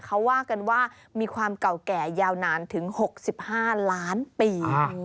เขาว่ากันว่ามีความเก่าแก่ยาวนานถึง๖๕ล้านปี